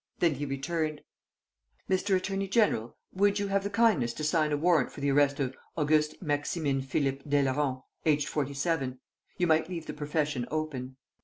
Then he returned: "Mr. Attorney General, would you have the kindness to sign a warrant for the arrest of Auguste Maximin Philippe Daileron, aged forty seven? You might leave the profession open."